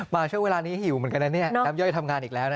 ช่วงเวลานี้หิวเหมือนกันนะเนี่ยน้ำย่อยทำงานอีกแล้วนะ